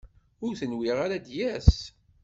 Ur t-nwiɣ ara ad d-yas.